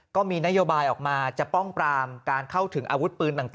ก็มีนโยบายออกมาจะป้องปรามการเข้าถึงอาวุธปืนต่าง